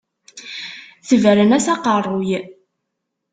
Tebren-as aqeṛṛuy.